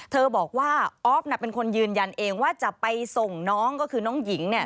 เธอบอกว่าอ๊อฟเป็นคนยืนยันเองว่าจะไปส่งน้องก็คือน้องหญิง